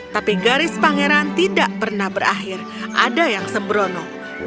tapi garis pangeran tidak pernah berakhir ada yang sembrono